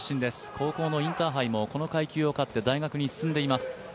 高校のインターハイもこの階級を勝って大学に進んでいます。